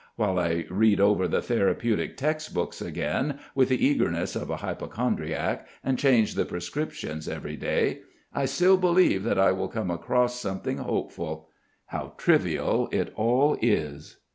While I read over the therapeutic text books again with the eagerness of a hypochondriac, and change the prescriptions every day, I still believe that I will come across something hopeful. How trivial it all is!